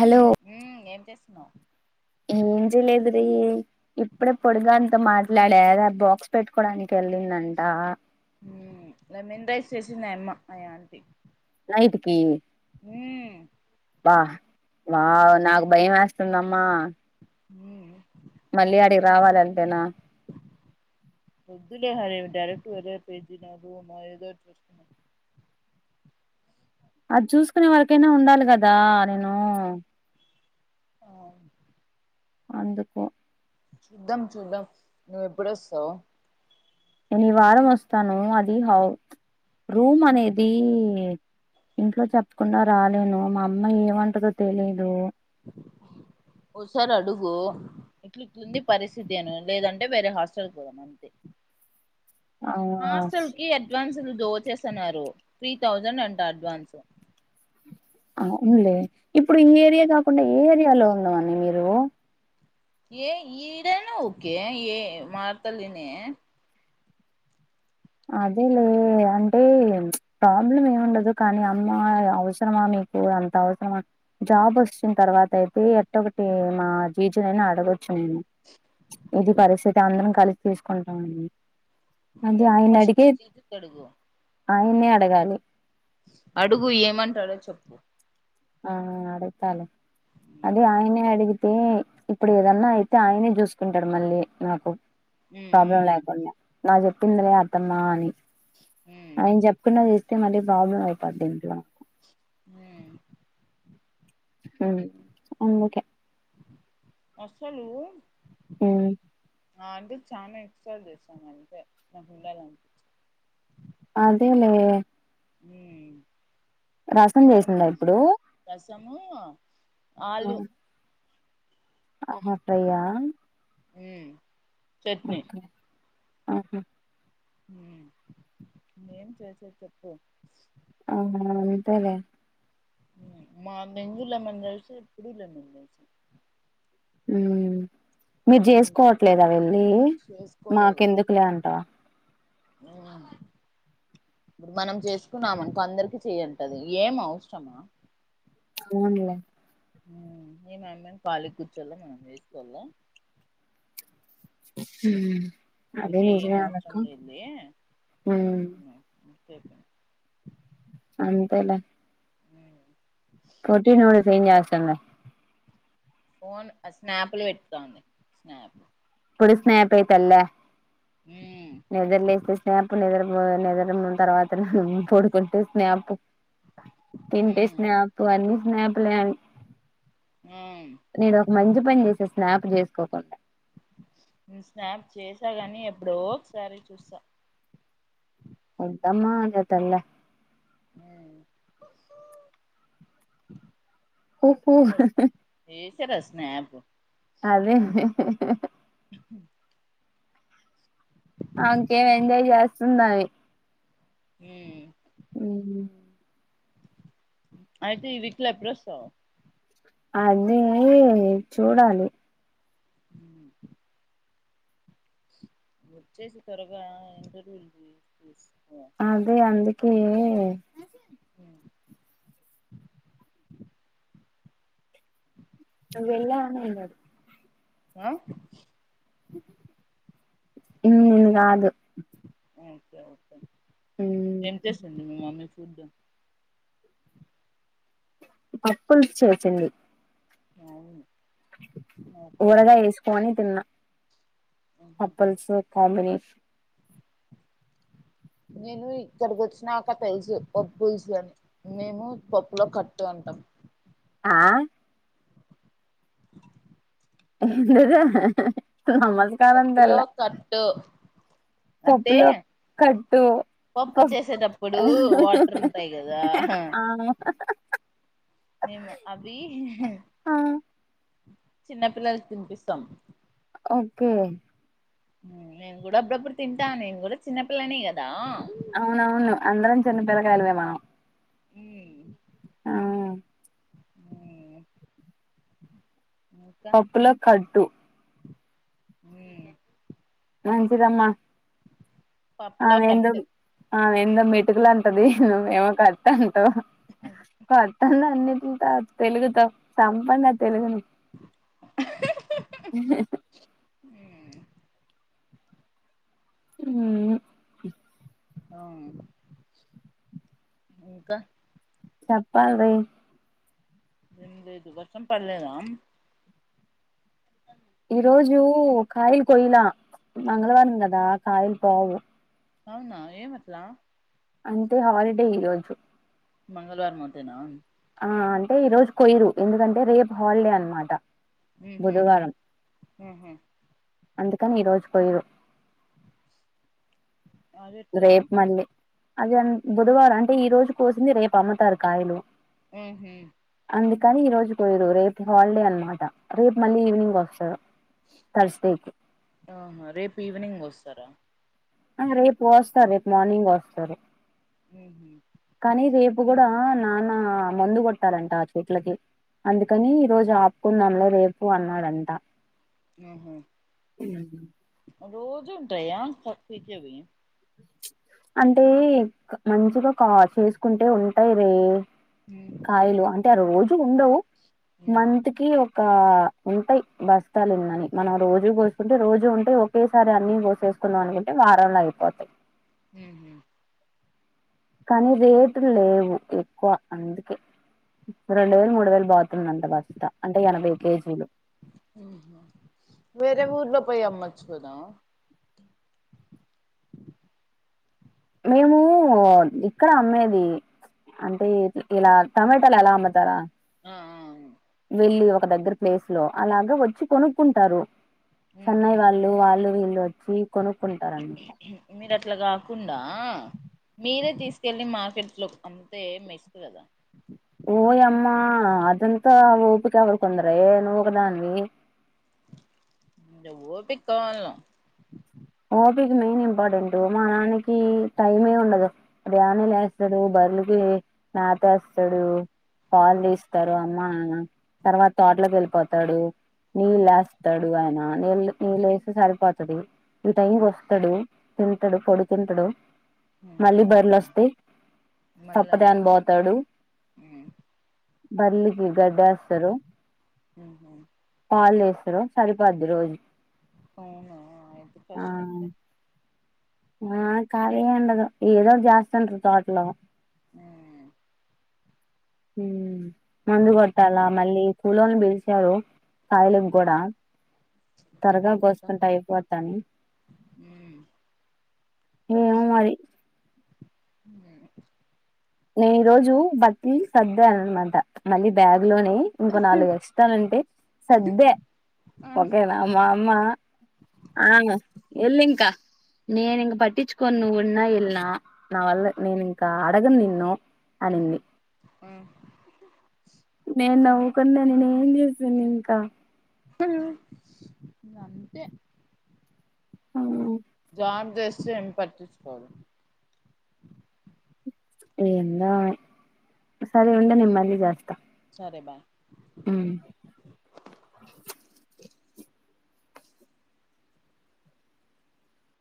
hello ఆ ఏం చేస్తున్నావు ఏం చేయలేదు రి ఇప్పుడే పొడుదాంతో మాట్లాడ ఏదో బాక్స్ పెట్టుకోడానికి వెల్లిందంట అంటా మ్ లెమన్ రైస్ చేసింది ఆ అమ్మ ఆ ఆంటీ నైట్ కి ఉమ్ అబ్బా హ్ నాకు భయం వేస్తుందమ్మా హ మళ్ళీ అడికి రావాలంటేనా వదులే హరే డైరెక్ట్ వర పేజ్ [unintelligible] అది చూసుకునే వరకైనా ఉండాలి కదా నేను ఆ అందుకు చూద్దాం చూద్దాం నువ్వు ఎప్పుడు వస్తావు నేను ఈ వారం వస్తాను అది హౌ రూమ్ అనేది ఇంట్లో చెప్పకుండా రాలేను మా అమ్మ ఏమంటదో తెలిదు ఓసారి అడుగు ఇట్లి ఇట్లింది పరిస్థితి అను లేదంటే వేరే హాస్టల్కి పోదాం అంతే ఆ హాస్టల్ కి అడ్వాన్స్ దోచేస్తున్నారు త్రీ థౌజండ్ అంట అడ్వాన్స్ అవునులే ఇప్పుడు ఈ ఏరియా కాకుండా ఏ ఏరియాలో ఉందామని మీరు ఏ ఈడను ఓకే ఏ మార్తహళ్లి నే అదే లే అంటే ప్రాబ్లం ఏమిండదు కానీ అమ్మ అవసరమా మీకు అంత అవసరమా జాబ్ వచ్చిన తర్వాత అయితే ఎట్టొకటి మా జేజి నన్న అయినా అడగొచ్చు ఇది పరిస్థితి అందరం కలిసి తీసుకుంటామండి నువ్ ఫస్ట్ జిజుకీ అడుగు ఆయనే అడగాలి అడుగు ఏమంటాడో చెప్పు ఆ అడగతాలే ఉమ్ అదే ఆయనే అడిగితే ఇప్పుడు ఏదన్నా అయితే ఆయనే చూసుకుంటాడు మళ్ళీ నాకు ప్రాబ్లం ఉమ్ లేకుండా నాకు చెప్పిందిలే అత్తమ్మా అని ఉమ్ ఆయనకీ చెప్పకున్నా చేస్తే మళ్ళీ ప్రాబ్లం అయిపోద్ది ఇంట్లో అ మ్ అందుకే అసలు ఆ ఆ అంటే చాలా ఎక్స్రా చేసాము అంటే నా గుండాల అనిపించి అదేలే రసం అ చేసిందా ఇప్పుడు రసము ఆలు అహ ప్రయ చట్నీ ఆఓహో నేం చేసే చెప్పు ఆ అంతలేే మా నెజు లెమన్ చసి పడి లెమెన్ జస అ మీరు చేసుకోవట్లేదా వెళ్ళి మాకెందుకులే అంట అవు ఇప్పుడు మనం చేసుకున్నాం అనుకో అందరికి చేయంటది ఏం అవసరమా పోవునలే ఏ మమ్మేని పాళి కూర్చోలో మనం వేసుకలం హ అందుకే ఏం అవసరం లేదదు మ్మ్ సప్ప అంతేలే క్లీన్ చేస్తున్న ఫోన్ స్నాప్లు పెట్తాంది స్నాప్ ఇప్పుడు స్నాప్ ఏ తల్లే ఉ నిద్రలేస్తే స్నేపు నిద్ర నిద్ర తర్వాత పడుకుంటే స్నాపు తిన్ంటే మ్మ్ స్నాపు అన్ని స్నాప్లని మ్మ్ నేను ఒక మంచి పని చేసే స్నాప్ చేసుకోకుండా స్నాప్ చేసాగాని ఎప్పుడో ఒకసారి చూస్తా ఉద్దమ్మా అంత తెల ఆ ఊ ఊ ఏస రసనాబ అదే అదే ఇంకేం ఎంజాయ్ చేస్తుందివి హ ఉ అయితే ఈ విక్ల ప్రసవ అది చూడాలి హ వచ్చేసి త్వరగా ఏం జరుగుంది అదే అందుకే అ అ వెళ్ల అండది ఆ మ్ కాదు ఓకే ఓకే ఉమ్ ఎం చేసింది మీ మమ్మీ ఫుడ్ పప్పుల్స్ చేసింది అవును ఓకే ఓకే ఊరగాయేసుకోని తిన్నా మ్మ్ పప్పుల్స్ కాంబినేషన్ నేను ఇక్కడికి వచ్చినాక తెలుసు పప్పుులుసు అని మేము పప్పులో కట్టు అంటాం ఆ నిజమే నమస్కారం పప్పులో తల్లి కట్టు అంటే కట్టు పప్పు ఫ చేసేటప్పుడు వాటర్ ఉంటాయి కదా ఆ ఆ ఏమొ అది ఆ చిన్నపిిల్లలకి తినిపిస్తాం ఓకే నేను కూడా అప్పుడప్పుడు తింటా నేను కూడా చిన్నపిిల్లనే కదా అవునవును అందరం చిన్నపిల్లకాయలుమే మనం మ్ ఆ పప్పుల కడ్టు మ్ మంచిదమ్మా పప్పులో ఆమెెందో కట్టు ఆమెెందో మిట్కులంటది నువ్ ఏమొ కట్ అం కొత్తంది అన్నింటితో తెలుగుతో చంపండి ఆ తెలుగును ఆ మ్ అవ్ ఇంకా చెప్పండి ఏం లేదు వర్షం పడలేదా ఈరోోజు కాయలు కొయలే మంగళవారం కదా కాయలు పోవు అవునా ఏంమట్లా అంటే హాలిడే ఈరోోజు మంగళవారం మంతేనా ఆ అంటే ఈ రోజు కొయరు ఎందుకంటే రేపు హాలిడే అనమాట మ్ హు ఆహా అందుకని ఈ రోజు కోయరు అదెట్లా రేపు మళ్ళీ అది అం బుధవారం అంటే ఈ రోజు కోసింది రేపు అమ్ముతారు కాయలు మ్ హు అందుకని ఈ రోజు కోయరు రేపు హాలిడే అన్నమాట రేపు మళ్ళీ ఈవినింగ్ కోస్తారు ఆహా రేపు ఈవినింగ్ కోస్తారా ఆ రేపు కోస్తా రేపు మార్నింగ్ కోస్తారు మ్ హు ఇప్పుడు కూడా నాన్న మందు కొట్టాలంట ఆ చేట్లకి అందుకని ఈ రోజు ఆపుకుందాంలే రేపు అన్నాడంట ఆ రోజ డయా సీ అవి అంటే మంచిగా కా చేసుకుంటే ఉంటాయి రే ఉ కాయలు అంటే ఆ రోజు ఉండవు ఉ మంత్ కి ఇకా ఉంటాయి బస్తాలన్నని మనం రోజు కోసుకుంటే రోజు ఉంటే ఒకేసారి అన్ని కోసే చూసుకుందాం అని అంటే వారంలో అయిపోతాయి హ కానీ రేటు లేవు ఎక్కువ అందుకే రెండు వేలు మూడు వేలు బాతున్న అంత బస్త అంటే ఎనభై కేజీలు వేరే ఊర్లో పోయి అమ్మచ్చు పోదాం మేము ఇక్కడ అమ్మేది అంటే ఇలా టమాటాలు ఎలా అమ్ముతారా ఆ ఆ వెళ్ళి ఒక దగ్గర ప్లేస్ లో అలాగ వచ్చి కొనుక్కుంటారు ఉహు చెన్నై వాళ్ళు వాళ్ళు వీళ్ళు వచ్చి కొనుక్కుంటారన్నమాట మీరు అట్లా కాకుండా మీరే తీసుకెళ్ళి మార్కెట్ లో అంతే బెస్ట్ కదా ఓయ అమ్మా అదంతా ఊపిక ఎవర్కుకుంది నుఒక దానివి అ ఓపిక కావలన ఓపిక మెయిన్ ఇంపార్ర్టెంట్ మా నాన్న కి టైమే ఉండదు ఉదయానే లేస్తాడు తల్లికి నాతో వస్తాడు పాలు తీస్తారు అమ్మ నాన్న తర్వాత తోటలోకి వెళ్ళిపోతాడు నీళ్ళు వేస్తాడు ఆయన నీళ్ళు నీళ్ళ వేస్తే సరిపోతుది ఈ టైకి వస్తాడు తింటాడు పడుకుంటాడు ఉహు మళ్ళీ మళ్ళ బరిలుొస్తే మళ్ళా చప్పద అన పోతాడు బర్లికి గడి ఏస్తారు ఉహు పాలు సరిపోద్ది రోజు అవునా ఇయితే ఆ కష్టంట ఆ కలినే ఉండదు ఏదో ఒకటి చేస్తూనే ఉంటారు తోటలో ఆ హ ముందు గోట్టాల మళ్ళీ పూలలను పిలిచారు కాయిలం కూడా ఇది త్వరగా మెంతుల్తోని కోసుకుంటా అయిపోతని ఏమో మరి అ నేను ఈ రోజు బట్టలు సద్దున అనమాట మళ్ళీ బ్యాగ్ లోని ఇంకో నాలుగు వస్తాయ్ అంటే సద్దే ేనామా అమ్మా ఆ ఎలింకా నేను ఇంక పట్టించుకోను నువ్వున్నా ఇల్నా నా వల్ల నేను ఇంకా అడగను నిన్న నో అనింది నేను నవ్వుకున్నా నేను ఏం చేసాను ఇంకా అంతే ఆ జాబ్ చేస్తే ఏం పటించుకోరు ఏందో సరే ఉండు నేను మళ్ళీ చేస్తా సరే బాయ్ ఉ